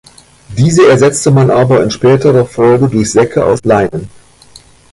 Diese ersetzte man aber in späterer Folge durch Säcke aus Leinen.